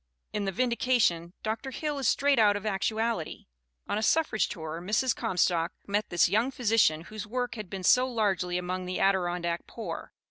In The Vindication, Dr. Hill is straight out of actuality. On a suffrage tour Mrs. Comstock met this young physician whose work had been so largely among the Adirondack poor.